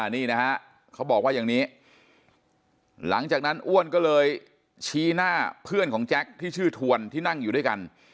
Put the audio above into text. นี่นะฮะเขาบอกว่าอย่างนี้หลังจากนั้นอ้วนก็เลยชี้หน้าเพื่อนของแจ็คที่ชื่อทวนที่นั่งอยู่ด้วยกัน